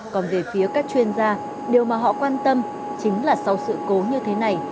còn về phía các chuyên gia điều mà họ quan tâm chính là sau sự cố như thế này